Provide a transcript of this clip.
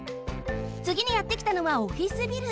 つぎにやってきたのはオフィスビル。